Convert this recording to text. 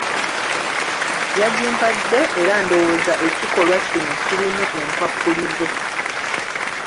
Yagimpadde, era ndowooza ekikolwa kino kirimu enkwakkulizo.